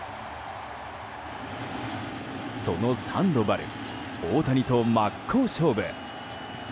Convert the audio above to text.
そのサンドバル大谷と真っ向勝負。